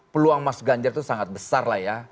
peluang mas ganjar itu sangat besar lah ya